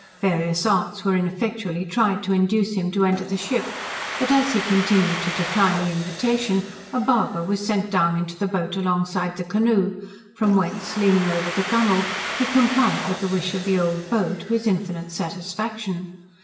Various arts were ineffectually tried to induce him to enter the ship; but as he continued to decline the invitation, a barber was sent down into the boat along side the canoe, from whence, leaning over the gunnel, he complied with the wish of the old beau, to his infinite satisfaction.